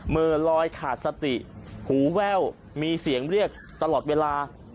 มือลอยขาดสติหูแว่วมีเสียงเรียกตลอดเวลา